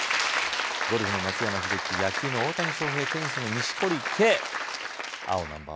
ゴルフの松山英樹野球の大谷翔平テニスの錦織圭青何番？